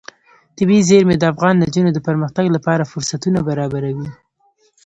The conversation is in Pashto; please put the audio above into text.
طبیعي زیرمې د افغان نجونو د پرمختګ لپاره فرصتونه برابروي.